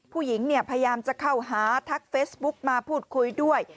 ผู้หญิงเนี่ยพยายามจะเข้าหาทักเฟซบุ๊กมาพูดคุยด้วย